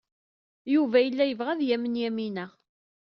Yuba yella yebɣa ad yamen Yamina.